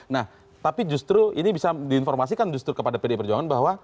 nah tapi justru ini bisa diinformasikan justru kepada pdi perjuangan bahwa